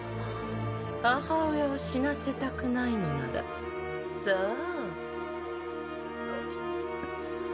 母親を死なせたくないのならさあ